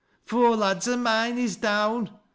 " Four lads o' mine is down !